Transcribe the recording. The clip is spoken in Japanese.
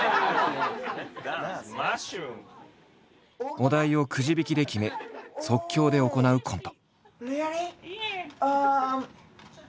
お題をくじ引きで決め即興で行うコント。